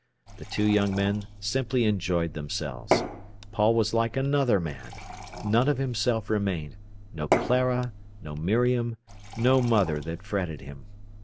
The two young men simply enjoyed themselves. Paul was like another man. None of himself remained—no Clara, no Miriam, no mother that fretted him.